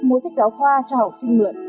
mua sách giáo khoa cho học sinh mượn